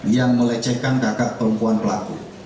yang melecehkan kakak perempuan pelaku